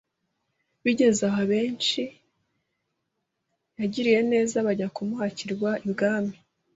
Bigeze aho abenshi yagiriye neza bajya kumuhakirwa ibwami